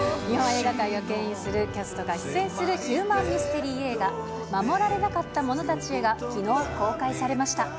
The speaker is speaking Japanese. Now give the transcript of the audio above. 日本映画界をけん引するキャストが出演するヒューマンミステリー映画、護られなかった者たちへがきのう公開されました。